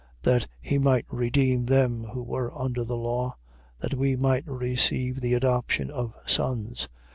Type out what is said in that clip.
That he might redeem them who were under the law: that we might receive the adoption of sons.